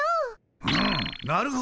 うむなるほど。